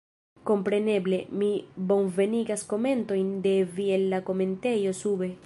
Kompreneble, mi bonvenigas komentoj de vi el la komentejo sube